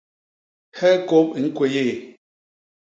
Hee kôp i ñkwéyéé.